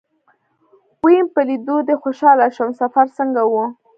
ويم په ليدو دې خوشاله شوم سفر څنګه و.